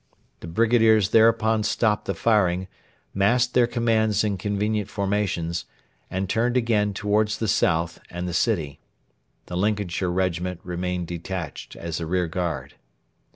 The brigadiers thereupon stopped the firing, massed their commands in convenient formations, and turned again towards the south and the city. The Lincolnshire Regiment remained detached as a rearguard.